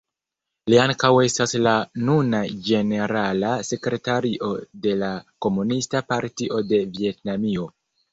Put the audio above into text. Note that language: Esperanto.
Li ankaŭ estas la nuna ĝenerala sekretario de la Komunista Partio de Vjetnamio.